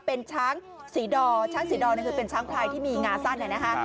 เป็นช้างสีดอช้างสีดอคือเป็นช้างพลายที่มีงาสั้นนะคะ